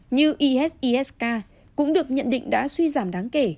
như isis k cũng được nhận định đã suy giảm đáng kể